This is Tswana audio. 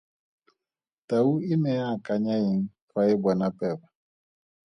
Tau e ne ya akanya eng fa e bona peba?